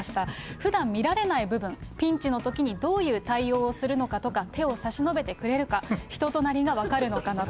ふだん見られない部分、ピンチのときにどういう対応をするのかとか、手を差し伸べてくれるか、人となりが分かるのかなと。